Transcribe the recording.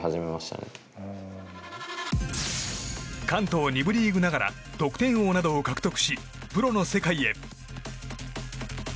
関東２部リーグながら得点王などを獲得しプロの世界へ。